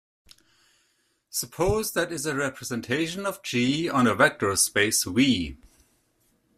Suppose that is a representation of "G" on a vector space "V".